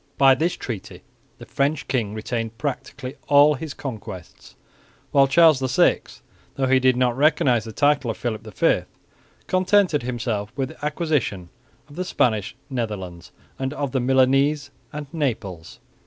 By this treaty the French king retained practically all his conquests, while Charles VI, though he did not recognise the title of Philip V, contented himself with the acquisition of the "Spanish" Netherlands, and of the Milanese and Naples.